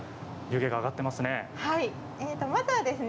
湯気が上がっていますね。